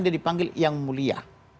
dia dipanggil yang mulia